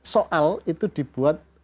soal itu dibuat